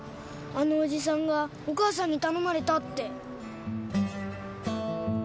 あのおじさんがお母さんに頼まれたって。